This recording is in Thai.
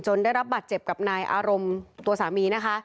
จนได้รับบาทเจ็บกับนายอารมตัวสามี